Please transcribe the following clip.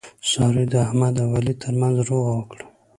سارې د احمد او علي ترمنځ روغه وکړه.